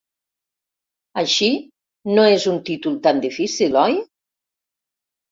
Així no és un títol tan difícil, oi?